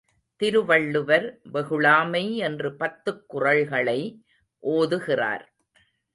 திருவள்ளுவர் வெகுளாமை என்று பத்துக் குறள்களை ஓதுகிறார்.